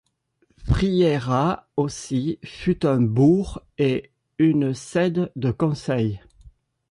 Frieira aussi fut un bourg et une sede de conseil.